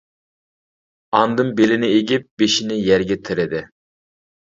ئاندىن بېلىنى ئېگىپ بېشىنى يەرگە تىرىدى.